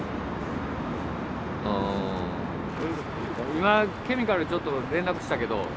今ケミカルちょっと連絡したけど。